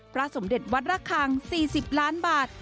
สมเด็จวัดระคัง๔๐ล้านบาท